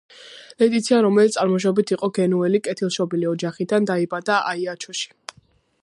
ლეტიცია, რომელიც წარმოშობით იყო გენუელი კეთილშობილი ოჯახიდან, დაიბადა აიაჩოში.